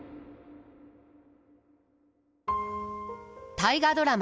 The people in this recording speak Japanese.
大河ドラマ